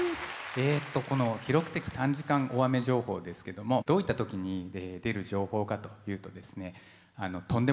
この記録的短時間大雨情報ですけどもどういった時に出る情報かというとですね